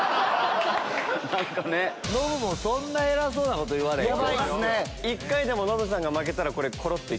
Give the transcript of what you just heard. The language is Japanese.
ノブもそんな偉そうなこと言われへんけどね。